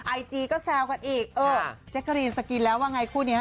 ไอจีก็แซวกันอีกเออแจ๊กกะรีนสกินแล้วว่าไงคู่นี้